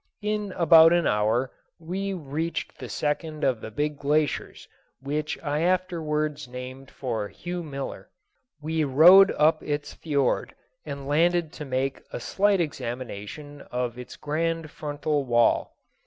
In about an hour we reached the second of the big glaciers, which I afterwards named for Hugh Miller. We rowed up its fiord and landed to make a slight examination of its grand frontal wall.